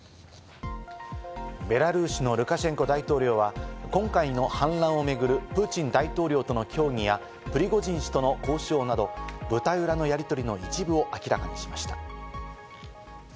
ベラルーシのルカシェンコ大統領は、今回の反乱を巡るプーチン大統領との協議や、プリゴジン氏との交渉など、舞台裏のやり取りの一部を明らかにしました。